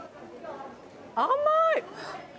甘い！